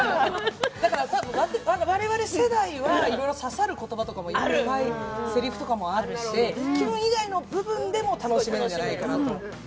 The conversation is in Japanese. だから我々世代は刺さる言葉とかせりふとかもあるしキュン以外の部分でも楽しめるんじゃないかなと。